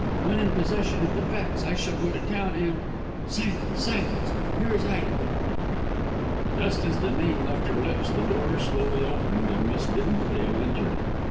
When in possession of the facts I shall go to town and Silence! silence! Here is Ida." Just as the name left her lips the door slowly opened and Miss Dimsdale entered.